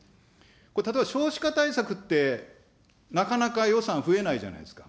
これ、例えば少子化対策って、なかなか予算増えないじゃないですか。